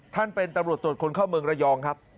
ท่านเป็นตำรวจตรวจคนเข้าเมืองระยองครับ